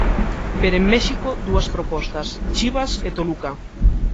Pero en México, dúas propostas, Chivas e Toluca.